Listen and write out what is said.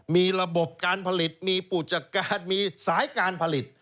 มีระบบการผลิตมีปุจกรรมมีสายการผลิต